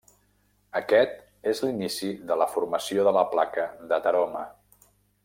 Aquest és l'inici de la formació de la placa d'ateroma.